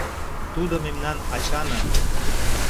— Тудо мемнан ачана.